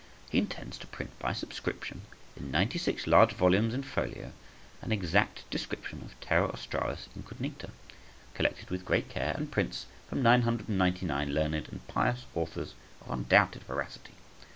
He intends to print by subscription, in ninety six large volumes in folio, an exact description of Terra Australis incognita, collected with great care, and prints from 999 learned and pious authors of undoubted veracity.